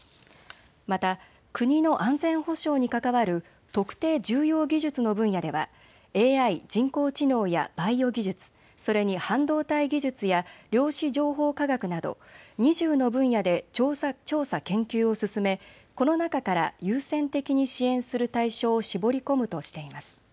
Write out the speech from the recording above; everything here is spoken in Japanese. また国の安全保障に関わる特定重要技術の分野ではＡＩ・人工知能やバイオ技術、それに半導体技術や量子情報科学など２０の分野で調査研究を進めこの中から優先的に支援する対象を絞り込むとしています。